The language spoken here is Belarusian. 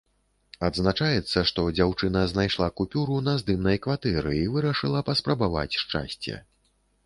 Адзначаецца, што дзяўчына знайшла купюру на здымнай кватэры і вырашыла паспрабаваць шчасце.